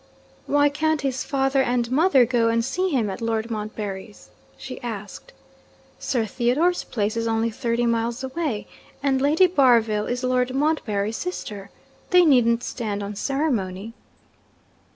'Why can't his father and mother go and see him at Lord Montbarry's?' she asked. 'Sir Theodore's place is only thirty miles away, and Lady Barville is Lord Montbarry's sister. They needn't stand on ceremony.'